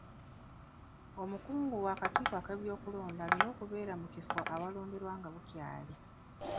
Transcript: Omukungu w'akakiiko ky'ebyokulonda alina okubeera mu kifo awalonderwa nga bukyali.